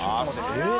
えっ？